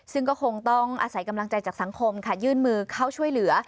ซึ่งก็คงต้องอาศัยกำลังใจจากสังคมค่ะยื่นมือเข้าช่วยเหลือ